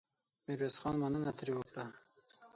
ميرويس خان مننه ترې وکړه.